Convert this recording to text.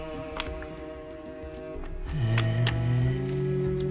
へえ。